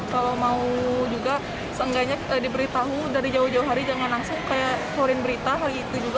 kalau mau juga seenggaknya diberitahu dari jauh jauh hari jangan langsung kayak keluarin berita hari itu juga